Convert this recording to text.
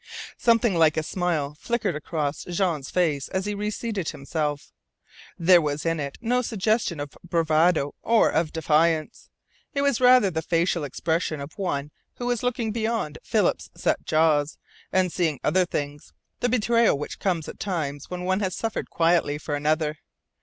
Something like a smile flickered across Jean's face as he reseated himself. There was in it no suggestion of bravado or of defiance. It was rather the facial expression of one who was looking beyond Philip's set jaws, and seeing other things the betrayal which comes at times when one has suffered quietly for another.